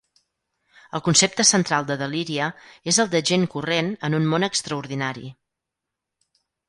El concepte central de Deliria és el de gent corrent en un món extraordinari.